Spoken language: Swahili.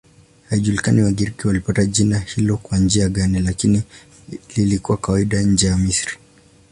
Haijulikani Wagiriki walipata jina hilo kwa njia gani, lakini lilikuwa kawaida nje ya Misri.